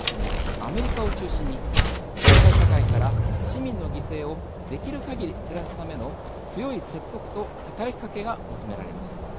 アメリカを中心に国際社会から、市民の犠牲をできるかぎり減らすための強い説得と働きかけが求められます。